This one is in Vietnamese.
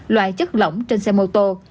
loại chất lỏng trên xe mô tô